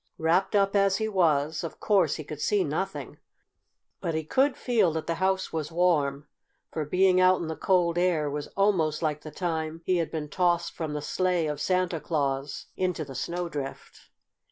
Wrapped up as he was, of course he could see nothing. But he could feel that the house was warm, for being out in the cold air was almost like the time he had been tossed from the sleigh of Santa Claus into the snowdrift.